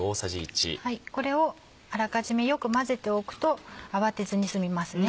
これをあらかじめよく混ぜておくと慌てずに済みますね。